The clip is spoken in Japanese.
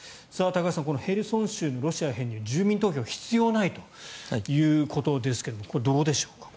高橋さんこのヘルソン州のロシア編入住民投票は必要ないということですがこれはどうでしょうか。